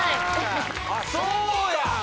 そうやん！